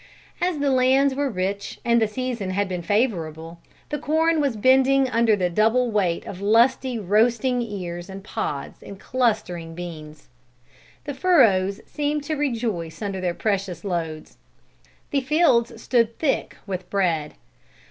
As the lands were rich and the season had been favorable, the corn was bending under the double weight of lusty roasting ears and pods and clustering beans. The furrows seemed to rejoice under their precious loads. The fields stood thick with bread.